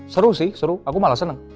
seru sih seru aku malah seneng